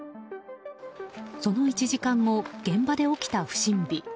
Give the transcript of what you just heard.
その１時間後現場で起きた不審火。